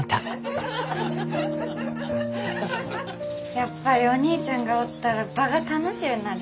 やっぱりお兄ちゃんがおったら場が楽しゅうなる。